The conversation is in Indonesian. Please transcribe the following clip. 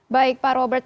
baik pak robert